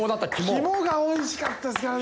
肝がおいしかったですからね。